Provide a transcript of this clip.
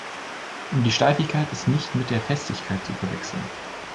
Die Steifigkeit ist nicht mit der Festigkeit zu verwechseln.